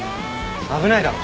危ないだろ。